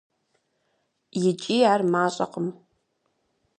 ИкӀи ар мащӀэкъым.